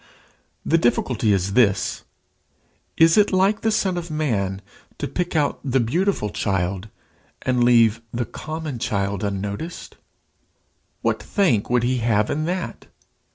The difficulty is this: Is it like the Son of man to pick out the beautiful child, and leave the common child unnoticed? What thank would he have in that?